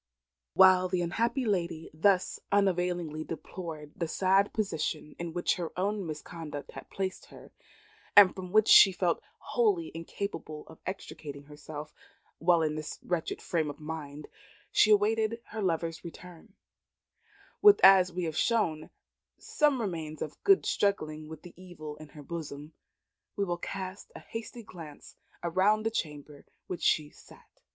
While the unhappy lady thus unavailingly deplored the sad position in which her own misconduct had placed her, and from which she felt wholly incapable of extricating herself; while in this wretched frame of mind, she awaited her lover's return, with, as we have shown, some remains of good struggling with the evil in her bosom, we will cast a hasty glance round the chamber in which she sat.